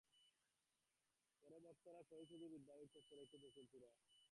পরে ভক্তরা শহীদ স্মৃতি বিদ্যাপীঠ চত্বরে একটি বকুল ফুলের চারা রোপণ করেন।